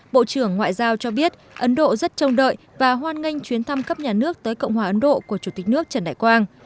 bộ trưởng ngoại giao cho biết ấn độ rất trông đợi và hoan nghênh chuyến thăm cấp nhà nước tới cộng hòa ấn độ của chủ tịch nước trần đại quang